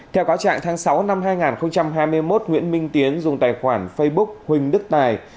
theo cáo trạng tháng sáu năm hai nghìn hai mươi một nguyễn minh tiến dùng tài khoản facebook huỳnh đức tài